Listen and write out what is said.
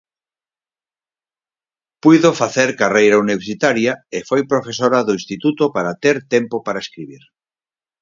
Puido facer carreira universitaria e foi profesora de instituto para ter tempo para escribir.